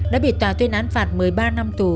đã bị tòa tuyên án phạt một mươi ba năm tù